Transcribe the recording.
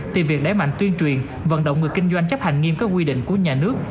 từ việc đẩy mạnh tuyên truyền vận động người kinh doanh chấp hành nghiêm các quy định của nhà nước